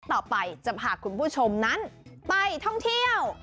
ต่อไปจะพาคุณผู้ชมนั้นไปท่องเที่ยว